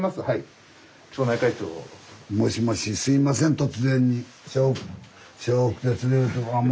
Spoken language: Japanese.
はいすいません。